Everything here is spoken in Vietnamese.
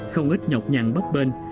không ít nhọc nhằn bắp bên